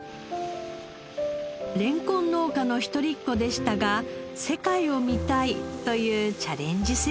レンコン農家の一人っ子でしたが世界を見たいというチャレンジ